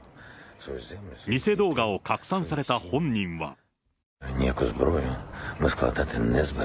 偽動画を拡散された本人は。